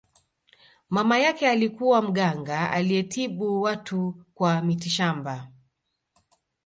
mama yake alikuwa mganga aliyetibu watu kwa mitishamba